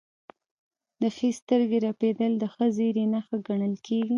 د ښي سترګې رپیدل د ښه زیری نښه ګڼل کیږي.